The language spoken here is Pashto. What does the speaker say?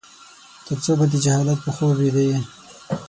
ترڅو به د جهالت په خوب ويده يې ؟